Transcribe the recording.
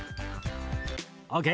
ＯＫ。